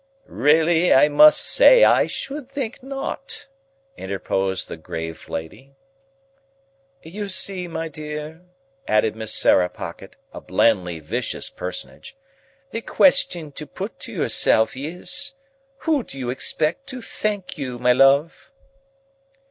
"Really I must say I should think not!" interposed the grave lady. "You see, my dear," added Miss Sarah Pocket (a blandly vicious personage), "the question to put to yourself is, who did you expect to thank you, my love?"